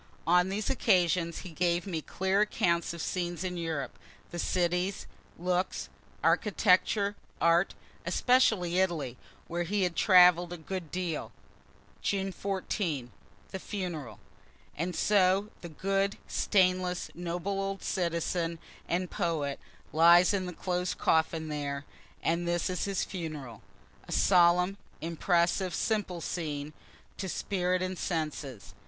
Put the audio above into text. On these occasions he gave me clear accounts of scenes in Europe the cities, looks, architecture, art, especially Italy where he had travel'd a good deal. June 14. The Funeral. And so the good, stainless, noble old citizen and poet lies in the closed coffin there and this is his funeral. A solemn, impressive, simple scene, to spirit and senses.